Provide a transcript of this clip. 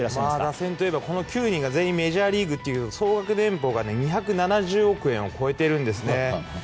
打線といえば９人が全員メジャーリーグという総額年俸が２７０億円を超えているんです。